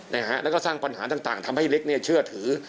แล้วก็สร้างปัญหาต่างทำให้เล็กเนี่ยเชื่อถือ